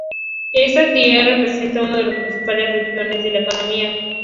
Esta actividad representa uno de los principales renglones de la economía.